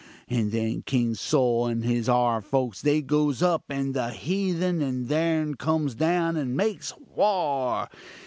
And then King Sol and his 'ar folks they goes up, and the hethun and theirn comes down and makes war.